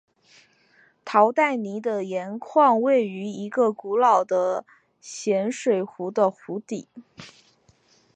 陶代尼的盐矿位于一个古老的咸水湖的湖底。